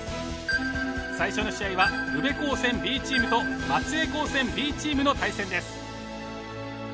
最初の試合は宇部高専Ｂチームと松江高専Ｂチームの対戦です。